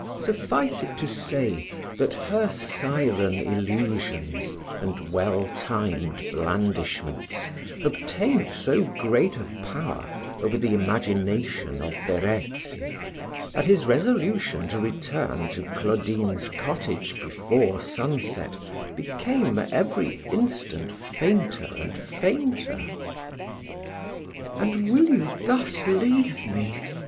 Suffice it to say, that her syren illusions, and well timed blandishments, obtained so great a power over the imagination of Verezzi, that his resolution to return to Claudine's cottage before sun set became every instant fainter and fainter. "And will you thus leave me?"